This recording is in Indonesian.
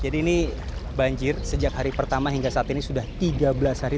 ini banjir sejak hari pertama hingga saat ini sudah tiga belas hari